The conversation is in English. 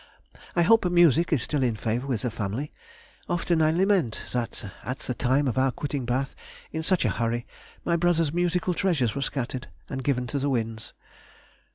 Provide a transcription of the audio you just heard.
I hope music is still in favour with the family; often I lament that at the time of our quitting Bath in such a hurry my brother's musical treasures were scattered, and given to the winds.